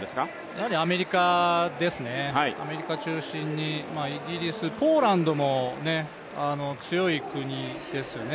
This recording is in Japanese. やはりアメリカですね、アメリカ中心にイギリス、ポーランドも強い国ですね。